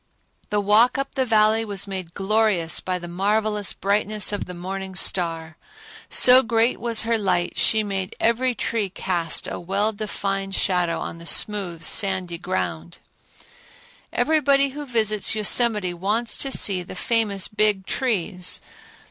The walk up the Valley was made glorious by the marvelous brightness of the morning star. So great was her light, she made every tree cast a well defined shadow on the smooth sandy ground. Everybody who visits Yosemite wants to see the famous Big Trees.